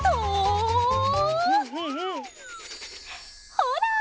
ほら！